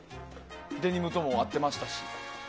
デニムとも合ってましたし。